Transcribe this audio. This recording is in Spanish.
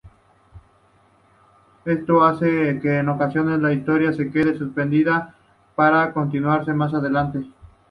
Esto hace que en ocasiones la historia se queda suspendida para continuarse más adelante.